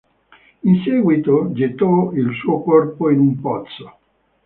In seguito gettò il suo corpo in un pozzo.